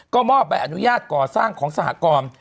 ก็มอบใบอนุญาตก่อสร้างของสหกร